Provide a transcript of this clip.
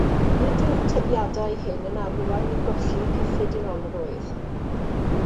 Nid yw'r tybiadau hyn yn arwain i golli cyffredinolrwydd.